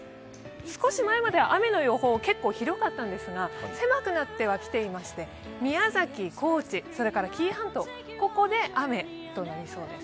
少し前までは雨の予報、結構広がったんですが、狭くなってはきていまして、宮崎、高知、紀伊半島で雨となりそうです。